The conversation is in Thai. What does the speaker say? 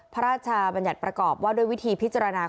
พระราชบัญญัติประกอบว่าด้วยวิธีพิจารณา